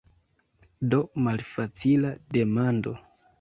Do, malfacila demando.